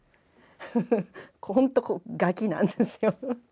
ほんとこうガキなんですよ。